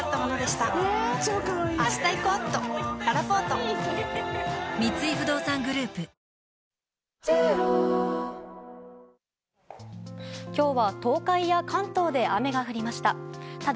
東京でも夜は今日は東海や関東で雨が降りました。